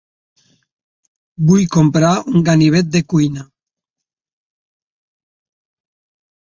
Vull comprar un ganivet de cuina.